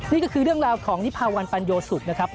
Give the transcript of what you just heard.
นี่ก็คือเรื่องราวของนิพาวันปัญโยสุกนะครับ